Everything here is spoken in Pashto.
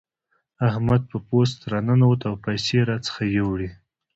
احمد په پوست راننوت او پيسې راڅخه يوړې.